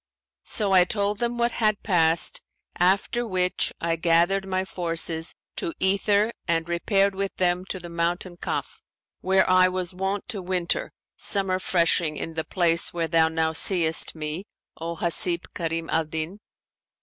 So I told them what had passed, after which I gathered my forces to "ether and repaired with them to the mountain Kaf, where I was wont to winter, summer freshing in the place where thou now seest me, O Hasib Karim al Din.